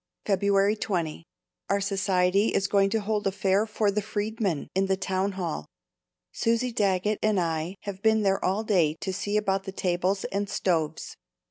February 20. Our society is going to hold a fair for the Freedmen, in the Town Hall. Susie Daggett and I have been there all day to see about the tables and stoves.